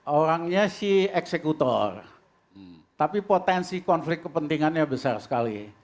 orangnya si eksekutor tapi potensi konflik kepentingannya besar sekali